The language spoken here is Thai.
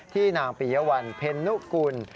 ที่นางปีเยาวร๘๐๐๑เพศนุกุล